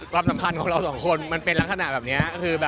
ความสำคัญของเรา๒คนมันเป็นลักษณะแบบเนี้ย